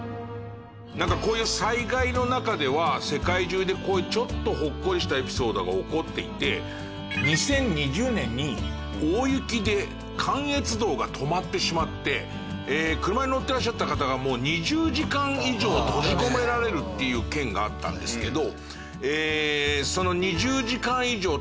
なんかこういう災害の中では世界中でこういうちょっとほっこりしたエピソードが起こっていて２０２０年に大雪で関越道が止まってしまって車に乗っていらっしゃった方が２０時間以上閉じ込められるっていう件があったんですけど。